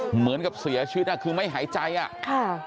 เหมือนกับเสียชีวิตคือไม่หายใจ